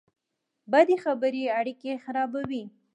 بدې خبرې اړیکې خرابوي